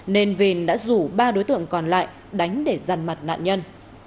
vìn vìn đã rủ ba đối tượng còn lại đánh để dằn mặt nạn nhân